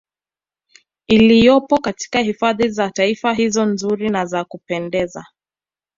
Iliyopo katika hifadhi za Taifa hizo nzuri na za kupendeza